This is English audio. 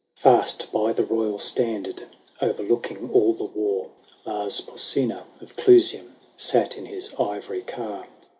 XXIV. Fast by the royal standard, O'erlooking all the war, Lars Porsena of Clusium Sat in his ivory car.